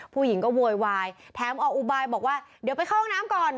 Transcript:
ผู้หญิงก็โวยวายแถมออกอุบายบอกว่าเดี๋ยวไปเข้าห้องน้ำก่อน